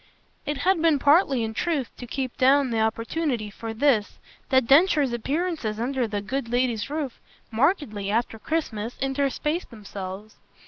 It had been partly in truth to keep down the opportunity for this that Densher's appearances under the good lady's roof markedly, after Christmas, interspaced themselves.